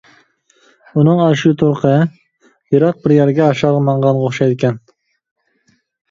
ئۇنىڭ ئاشۇ تۇرقى يىراق بىر يەرگە ھاشارغا ماڭغانغا ئوخشايدىكەن.